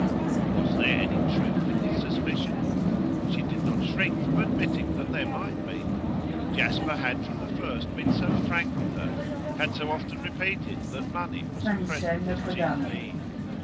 Was there any truth in his suspicion? She did not shrink from admitting that there might be. Jasper had from the first been so frank with her, had so often repeated that money was at present his chief need.